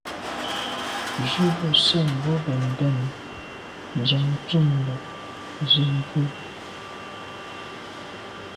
Njù be sène bo bèn mbèn njam ntùm la’ nzi bwe.